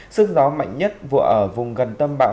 sức gió mạnh nhất vừa ở vùng gần tâm bão